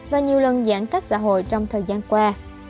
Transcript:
và nhiều lần giãn cách xã hội trong thời gian qua